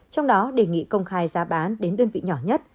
trong đó đề nghị công khai giá bán đến đơn vị nhỏ nhất